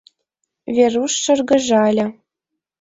Веруш шыргыжале.